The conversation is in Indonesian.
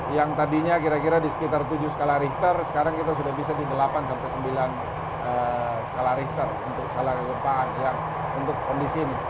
yang tadinya kira kira di sekitar tujuh skala richter sekarang kita sudah bisa di delapan sampai sembilan skala richter untuk salah kegempaan yang untuk kondisi ini